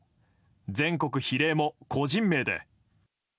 全国比例も個人名で。